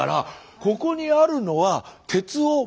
ここにあるのは鉄を元の姿に。